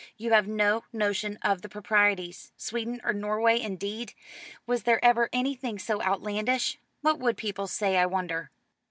You have no notion of the proprieties. Sweden or Norway, indeed! Was there ever anything so outlandish? What would people say, I wonder?"